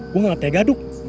gua gak tega duk